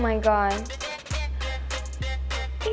minta tuhan kan